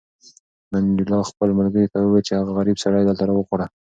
منډېلا خپل ملګري ته وویل چې هغه غریب سړی دلته راوغواړه.